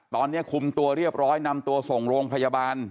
ตอนนี้คุมตัวเรียบร้อยนำตัวส่งโรงพยาบาล